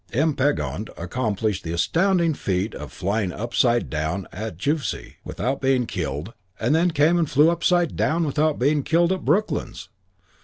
M. Pegond accomplished the astounding feat of flying upside down at Juvisy without being killed and then came and flew upside down without being killed at Brooklands.